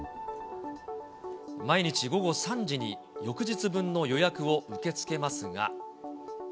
毎日午後３時に翌日分の予約を受け付けますが。